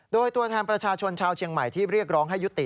โดยตัวแทนประชาชนชาวเชียงใหม่ที่เรียกร้องให้ยุติ